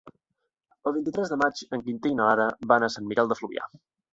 El vint-i-tres de maig en Quintí i na Lara van a Sant Miquel de Fluvià.